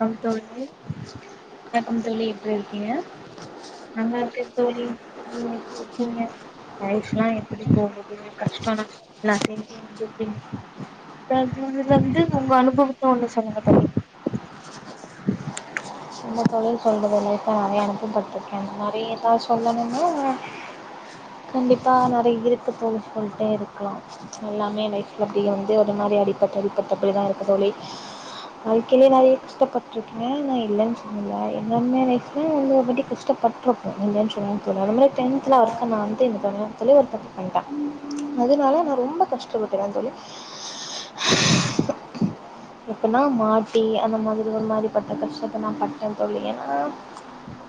come தோழி வணக்கம் தோழி என்ன பண்றீங்க எப்டி இருக்கீங்க நல்லா இருக்க தோழி நீங்க எப்டி இருக்கீங்க லைஃப்லா எப்டி போகுது கஷ்டோ நஷ்டோ இருக்கீங்க [inaudible] இது வந்து உங்க அனுபவோ தோண்டு சமங்கதை என்ன தோழி சொல்றது லைஃப்ல நறையா அனுப்பவப்பட்ருக்க நறையா இதா சொல்லணுனா கண்டிப்பா நறையா இருக்கு தோழி சொல்ட்டே இருக்கலா எல்லாமே ஏ லைஃப்ல அப்டடியே வந்து அது மாரி அடிப்பட்டு அடிப்பட்டு அப்டிதா இருக்கு தோழி வாழ்க்கைலயே நறையா கஷ்டப்பட்ருக்கே நா இல்லன் சொல்ல எல்லாமே லைஃப்ல இவ்ளோ தூரி கஷ்டப்பட்ருப்போ இல்லைன் [inaudible] டென்த்துல அப்ப நா வந்து இங்க பாருங்க [unintelligible] அதனால நான் ரொம்ப கஷ்டப்படறேன் தோழி இப்பனா மாட்டி அந்த மாதிரி ஒரு மாதிரி பட்ட கஷ்டத்தை நான் பட்டேன் தோழி ஏன்னா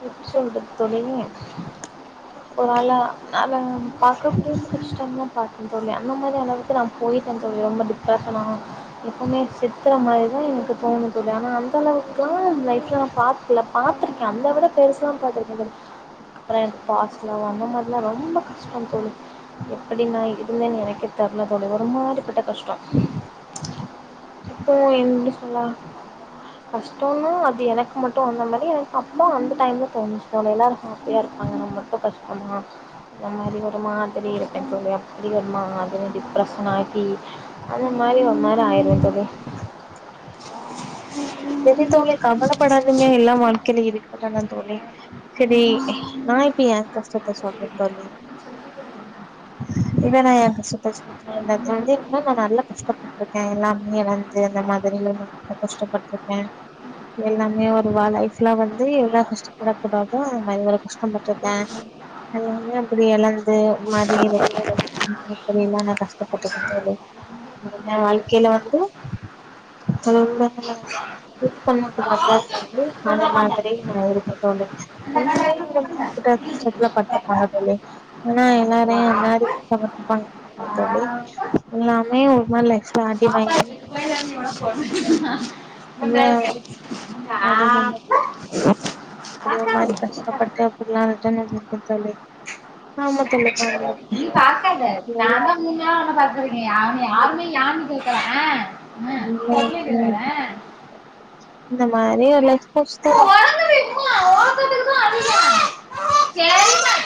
எப்படி சொல்றது தோழி ஒரு வேல நான் பார்க்கக்கூடியது கஷ்டம் தான் பாக்ரேன் அந்த மாதிரி அளவுக்கு நான் போயிட்டேன் தோழி ரொம்ப டிப்ரஷன் ஆகும் எப்போ ச பத்துற மாதிரிதான் எனக்கு தோணும் தோழி ஆனா அந்த அளவுக்கு எல்லாம் லைஃப்ல நான் பார்க்கல பாார்த்திருக்கேன் அந்த விட பெருசுதான் பார்த்திருக்கேன் தோழி அப்புறம் எனக்கு பாஸ்ட் லவ் அந்த மாதிரிலாம் ரொம்ப கஷ்டம் தோழி எப்படி நான் இருந்தேன்னு எனக்கே தெரல தோழி ஒரு மாதிரி கஷ்டம் இப்போ எப்படிட சொல்லா கஷ்டம்ன்னா அது எனக்கு மட்டும் வந்த மாதிரி எனக்கு அப்பா அந்த டைம்ல தோணுச்சு அவன் எல்லோரும் ஹாப்பியாக இருப்பாங்க நம்ம மட்டும் கஷ்டமா இந்தந்த மாதிரி ஒரு மாதிரி இருப்பேன் தோழி அப்படி ஒரு மாதிரி டிப்ரெஷன் ஆக்கி அந்த மாதிரி ஒரு மாதிரி ஆயிடுவேன் தோழி சேரிங்க தோழி கவலைப்படதிங்க எல்லாம் வாழ்க்கையில இருக்குதான் தோழி செரி நான் இப்போ என் கஷ்டத்தை சொல்றேன் தோழி இததான் வந்து என்ன நான் நல்லா கஷ்டப்பட்டிருக்கேன் எல்லாமே இழந்து அந்த மாதிரி கஷ்டப்பட்ருக்கேன் எல்லாமே ஒரு லைஃப்லாம் வந்து எவ்ளா கஷ்டப்படக்க கூடாதோ அந்த மாதிரி ஒரு கஷ்டப்பட்டுருக்கேன் அப்படி இழந்து மாதிரி ல்ல கஷ்டப்பட்டட்டு வாழ்க்கையில வந்து சொ இது பண்ண அந்த மாதிரி நா எதுக்கிட்ட இருக்கே கஷ்டத்துல பட்டப்பங்கே ஆனா எல்லாரையும் அ மாரி அது தோழி எல்லாமே ஒருமா லைஃப்ல அடி வா பாப்பா ரெண்டு மு க ஆ அதே மாதிரி கஷ்டப்பட்டு அப்படல்லாம்ன்ன இருக்கதாலே ஆமா தோழி நீ பாக்கா இல்ல நான் தான் மூன்று நாள ஒண்ண பத்துருக்கேன் யாருமே ஏன்னு கேட்கல உஹம் சொல்லிட்டு வரேன் இந்த மாதிரி ஒரு உறங்குது உமா உறக்கத்துக்கு தான் அழுகிறேன் சரிம்மா